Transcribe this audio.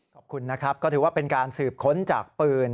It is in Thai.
ขอบคุณนะครับก็ถือว่าเป็นการสืบค้นจากปืน